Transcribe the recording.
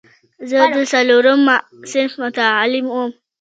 زه د څلورم صنف متعلم وم.